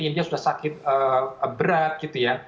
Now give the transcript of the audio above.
india sudah sakit berat gitu ya